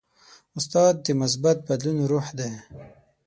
استاد د مثبت بدلون روح دی.